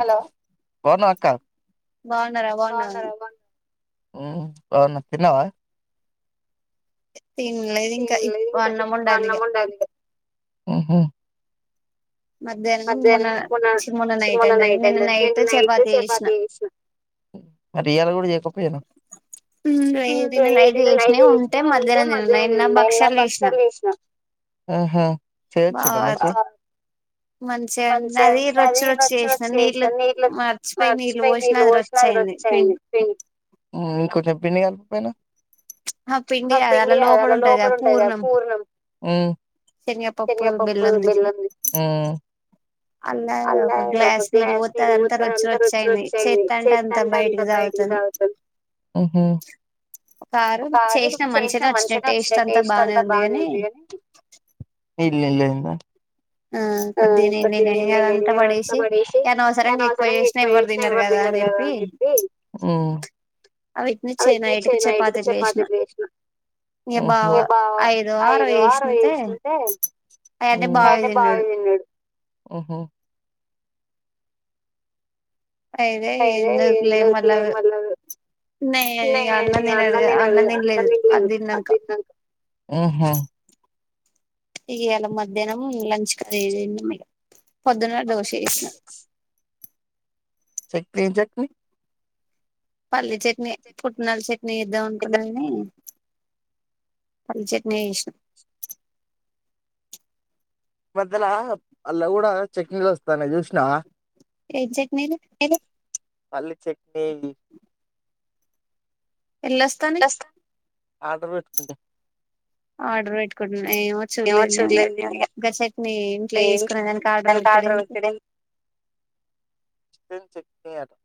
Hello! బావున్నావ అక్కా. బాన్నార? బావున్నావ అను. ఉ అవును తిన్నావా? తినలేదు ఇంకప్పు అన్నం వండాలిగా. [inaudible] హు హూ! మధ్యాహ్నం చి మొన్న నైట్ అండి నిన్న నైట్ చపాతి చేసిన. ఆ రియల్ కూడా చెప్పకపోయావా. ఉమ్! నైట్ చేసినా ఉంటే మధ్యాహ్నం పక్షాలు వేసినా [inaudible] హు, హూ! చేయొచ్చు గదా. మంచిగా అండి అది రచ్చి రచ్చి చేసినా నీళ్లు మర్చిపోయి నీళ్ళు పోసిన. సరే వచ్చేయండి బిర్న ఇంకో చెప్పింది కాకపోయినా ఆ పిండి కాద అలా లోపల ఉంటది కదా పూర్ణం. చెనిగ పప్పు బెల్లం ది అలా ఒక గ్లాస్ నీళ్ళు పోతే అంతా రొచ్చి రొచ్చి అయింది. చేస్తాంటే అంటే అంత బయటికి దావతి ఆహ [inaudible] ఒక పారి చేసినా మంచినే వచ్చినాయి. టేస్ట్ అంతా బాగానే ఉంది కాని. లేద్ లేద్ ఇంకా. మ్ పొద్దున్నే మిగిలినదంతా బడేసి దాని అవసరం తీరిపోయాక ఎవ్వరు తినరు కదా. ఆలా అని చెప్ప. అవి నుచ్చే న ఏటుకి చేపాతి చేసిన. మీ బావ ఐదు ఆరు చేసుంటే అవి అయితే బాగా తిను. డు [unintelligible] ఉ హూ! అయితే ఎందుకు లే మల్లాదు తిన్నా ఏం ది అన్నం తినదు అది తిన్నది. మ్ హు! ఈయాల మధ్యాహ్నం లంచ్ కు తేదెమిగ. పొద్దున దోస వేసిన. చట్ని ఏం చట్నీ. పల్లీ చట్నీ, పుట్నలు చట్నీ ఇద్దాం అనుకున్న కాని. పల్లీ చట్ని చేసిన. ఈ మధ్యల అల్లా కూడా చట్నీ లు వస్తున్నాయ్ చూసినవా? ఏ చట్నీ లు? పల్లి చట్నీ ది. ఎన్లో వస్తాంది. ఆర్డర్ పెట్టుకుంటే. ఆర్డర్ పెట్టుకుంటున్నా. ఏమో చూడలేదు నే ఇ ఇంకా చట్నీ ఇంట్లో చేసుకునే దానికి ఆర్డర్ పెట్టడు ఎందుకు? చికెన్ చట్నీ ఆటా.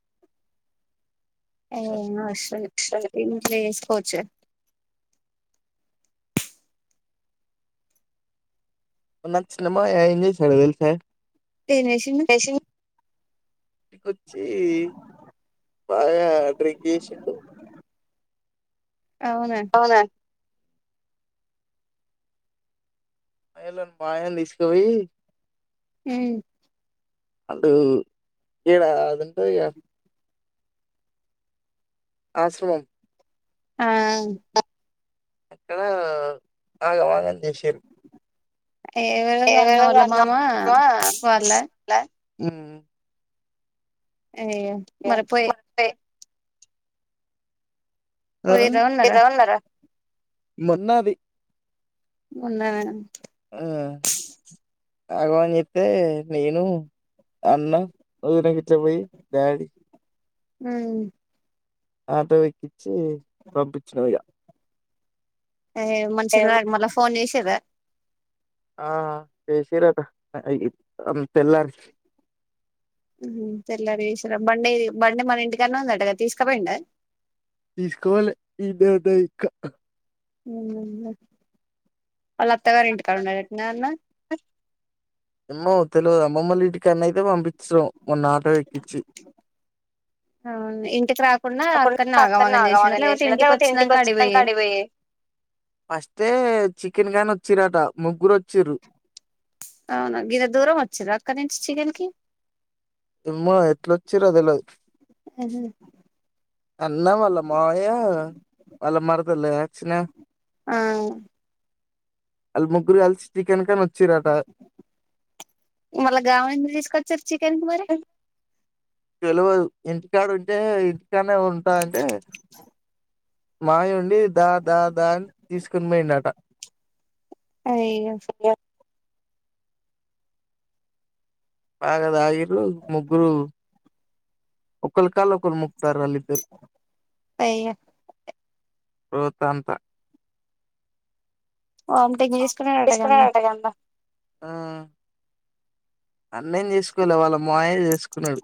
ఏమి అసరం లే ఇంట్లో చేసుకోవచ్చు. మొన్న చిన్నమామ ఏమి చేసాడో తెలుసా? ఏమి చేసిండు? కొచ్చి బాగా డ్రింక్ చేసిండు. అవున ఏలన్ పాయల్ తీస్కవోయి ఉమ్ అటు ఈడ అదంట్తద్గ ఆశ్రమం ఆ ఎవెవో ఆగం ఆగం జేసీరు ఎరెవరో అన్నా ఆ ల అయ్యో! మరిపోయే ఆ మొన్నాది మొన్ననా తగ్వన్ చెప్తే నేను అన్న వదిన గిట్టపోయి డాడి ఉమ్ ఆటో ఎక్కిచి పంపిచ్చినం ఇయ ఏ మంచురాగ్ మల్ల ఫోన్ చేశిరా ఆ చేసిరట అయి అం తెల్లారి మ్ తెల్లార్ జేషిరా బండీ బండి మన ఇంటికన్నా ఉందటగా తీస్కపోయిండ తీస్కపోలే ఇడ్నే ఉన్నది ఇంక ఉమ్మ్ వాళ్ళ అత్తగార్ ఇంటికాడ్ ఉన్నాడాట్నా అన్న ఏమ్మో తెల్వదు అమ్మమ్మోల్ ఇంటికాన్నైతే పంపిచ్రు మొన్నా ఆటో ఎకిచ్చి అక్కడున్న అక్కడనే ఆగం ఆగం చేసిలా లేపోతే ఇంటిక్ ఒచ్చినాక అడిపోయి ఫస్టే చికెన్ కానీ ఒచ్చిరట ముగ్గురు ఒచ్చిరు అవునా గిత దూరం వచ్చిరా అక్కడ్నుంచి చికెన్ కి ఎమ్మో ఎట్లోచ్చిరో తెల్వది చ్చిన ఆ అల్ ముగ్గుర్ కల్సి చికెన్ కాన్ వచ్చిరాట మల్ల గామేనేందుకు తీస్కర్ చికెన్కి మరి తెలువదు ఇంట్కాడ్ ఉంటే ఇంటికానే ఉంటా అంటే మాయండి ద ద దా అని తీస్కోన్ పోయిండట ఆయ్యో బాగా తగిర్రు ముగ్గురు ఒకల్ కాల్ ఓకర్ ముక్తార్ అల్ ఇద్దర్ రోతంత పం తీస్కున్నాడంట గ అంత మ్మ్ అన్నేమ్ చేసుకోలే వాళ్ళ మాయే చేసుకున్నాడు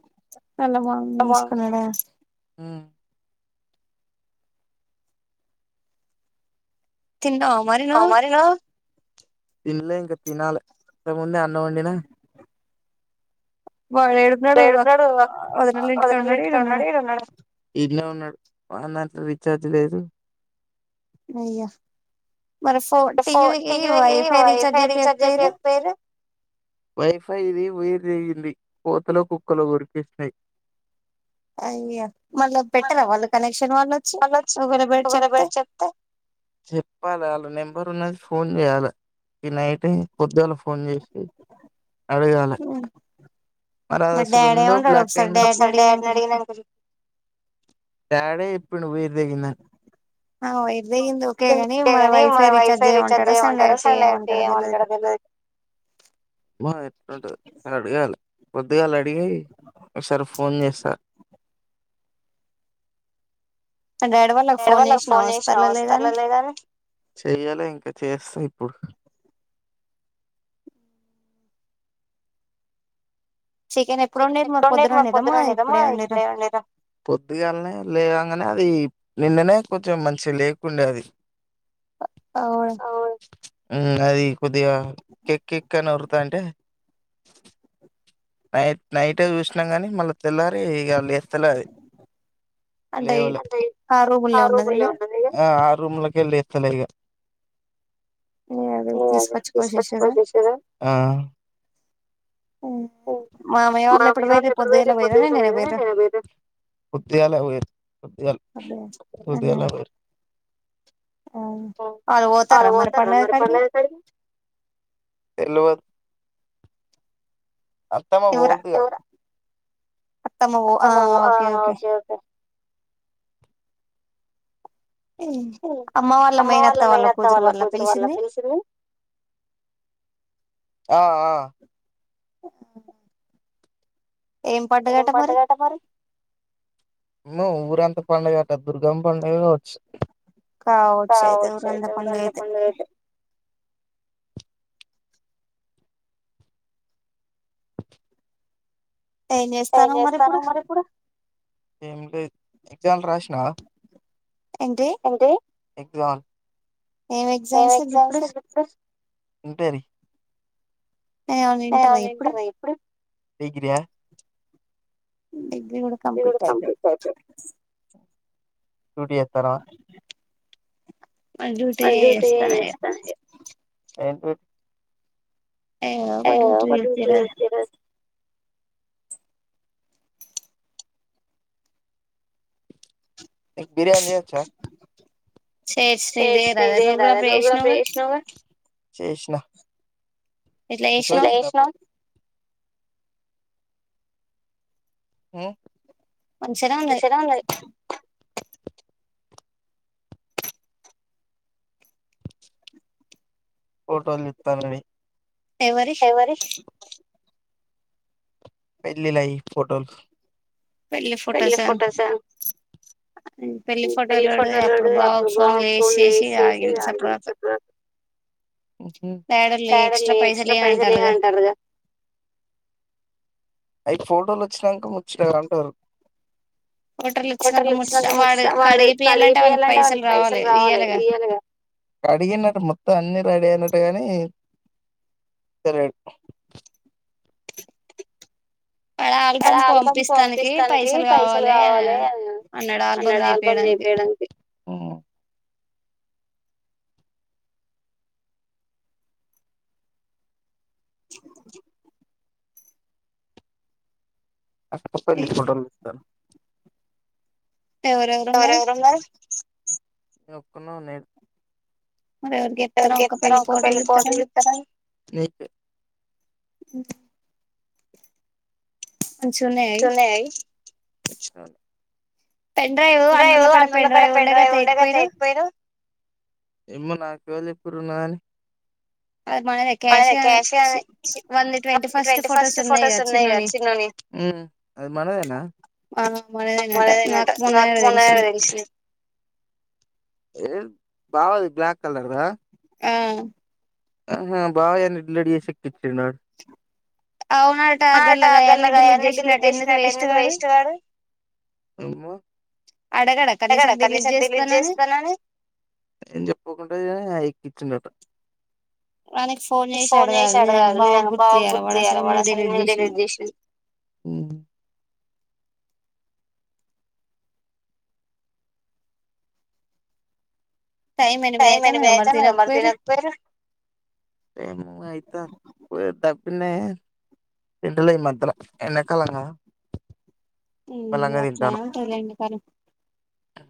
అల్ల మామే చేస్కున్నాడా అమారి నా తిన్లే ఇంక తినాలే ఇంతముందే అన్నం అండినా ఏడున్నడు! వదినోళ్ళ ఇంటికాడ ఉన్నడా ఈడున్నడా? ఇడ్నే ఉన్నాడ్ వాన్ దాంట్ల రీఛార్జ్ లేదు. అయ్య మరి ఫో టీవీకి వైఫై రీఛార్జ్ చెపియక్పోయిరు వైఫై ఇది వైర్దేగింది కోతలో కుక్కలో గురికిసినాయి అయ్య మళ్ళ బెట్టర వాళ్ళు కనెక్షన్ వాళ్ చెప్పాల అల్ల నెంబర్ ఉన్నది ఫోన్ చేయాలే ఈ నైటే పొద్దుగాల ఫోన్ చేసి అడ్గాలే మర్ అద్ అసల్ ఉందో బ్లాక్ అయిందో డ్యాడే చెప్పిండు వేర్ తెగిందన్న్ ఓయ్ నీకెందులే గాని వైఫై రీచార్జ్ చేయమంటాడ సండైరెక్ట్ చేయమంటాడో తెల్వద్ ఏమో ఎట్లుంటదో అడగాలి. పోద్దుగల్ల అడిగి ఒకసారి ఫోన్ చేస్తా మేడమొళ్ళకు ఫోన్ చేసినవా వస్తుందో లేదని చేయ్యాలే ఇంక చేస్తా ఇప్పుడు చికెన్ ఎప్పుడు వొండేది మరి పొద్దున వొండేదా మరి ఇప్పుడే వొండేదా పొద్దుగాల్నే లేవం కాని అది నిన్ననే కొంచెం మంచిగా లేకుండే అది అ ఆ ఉమ్మ్ అది కొద్దిగా కిక్ కిక్ అని ఓర్లుతాంటే నైట్ నైటే చూసినా కానీ మళ్ళీ తెల్లారి ఇగ లేస్తలే అది లేవులే ఆ రూ రూమ్లోకెళ్ళి ఎత్తలే ఇగ లే అదే తీసుకొచ్చు కోని చేసేదా ఆ వు పొద్దుగాల పోయిరి పొద్దుగల్ పొద్దుగల పోయిరి ఆ ఆళ్లు పోతారా మరి పల్లవి కాడికి తెల్వద్ అత్తమ్మ పోవద్ధు ఇగ అత్తమ్మ ఓ ఆ ఓకే ఓకే అమ్మ వాళ్ళ మేనత్త వాళ్ళ కూతురు వాళ్ళ పిలిసింది. ఆ ఆ హ్మ్ ఏం పండుగట మరి ఏ మో ఊరంతా పండగట దుర్గమ్మ పండుగే కావచ్చు కావచ్చయితే ఊరంతా పండుగయితే ఏం చేస్తాన్నావ్ మరి ఇప్పుడు ఏం లేద్ ఎగ్జామ్లు రాసినావా ఏంటి ఎగ్జామ్ల్ ఏం ఎగ్జామ్స్ [unintelligible] ఇప్పుడు ఇంటరీ ఆ నేనింటారా ఇప్పుడు డిగ్రీ యా డిగ్రీ కంప్లీట్ అయితే డ్యూటీ చేత్తారా నేన్ డ్యూటీయే చేస్తా ఇగ ఏం డ్యూటీ ఏదో ఒక డ్యూటీ చేత్తిరా నిక్ బిర్యానీ చేయొచ్చా చేస్తే ఇదే రాలే నువ్వు కూడా పే చేసినావ్గా చేసిన మ్ ఎట్లేసినవ్ మ్ మంచిగా ఉన్నయ్. ఫోటోలు తిత్తానివి ఎవరి పెళ్లిళయి ఫోటోస్ పెళ్ళి ఫొటోసా మ్ పెళ్లి ఫోటోలోడు అప్పుడు బావకి ఫోన్ చేసేసిగ చెప్పినాడ్ మ్ హూ క్యాడర్లయి ఎక్స్ట్రా పైసలు ఇయ్యీ అంటాండ్రుగా అయి ఫోటోలోచ్చినంక ముచ్చికరంటారు. ఫొటోలోచ్చినంక ముచ్చి ఆ వాడు కడిగిపియాలంటే వానికి పైసలు కావలే ఇయాలిగ కడిగిండట మొత్తం అన్ని రెడీ అయినటగాని తెల్వద్ ఆ ఆల్బమ్ పంపిస్తానికి పైసలు కావాలే అన్న అన్నాడు ఆల్బమ్ చేపియ్యడానికే మ్మ్ కాస్త పుస్తకం తీసుకుంటాను ఎవరెవరున్నారు నేన్ ఒక్కనే ఉన్నెద్ ఎవల్ కిఇత్తర ఒక పెళ్లి ఫోటో ఇత్తర నీక్ హ్మ్ ట్టున్నయా అయ్యి ఇంకా ఏవో అన్నోళ్ల కాడ పెన్ డ్రైవ్ ఉండే కదా తేక్పోయర ఎమో న ఎవర్ చెప్పింర్రు ఉన్నదని అదే క్యాషి ఆనె ఛి ట్వంటీ ఫస్ట్ ఫొటోస్ ఉన్నాయి కదా చిన్నోని హ్మ్ అది మనదేనా ఆ మనదేనట నాకు మొన్నగనే దెలిసింది ఏం బావది బ్లాక్ కలర్‌దా ఆ.. ఆహా బావ గారిని డిలెట్ జేసి తిట్ నాడు ఆహా ట గళ్ళ గయాన్ని డిలీట్ జేసినట ఎందుకు వేస్ట్ గానే ఎక్కడ కనీసం డిలీట్ జేస్తానని ఎం చెప్పకుంటే ఎకించిన్ డట ఫోన్ జేసి అడగాలి నీ బా గుర్తు చేయాలి వాడ అస్ లెనెమ్ తెలియజెసిన్ హ్మ్ టైమ్ ఎనిమిదైతంది మరి తినక్ పోయర ఏమో అయిత వురె దబ్ వున్నే ఇద్దలి మధ్యల ఎండకాలంగా హ్మ అట్లనె ఉంటదిలె ఎండ కాలం అ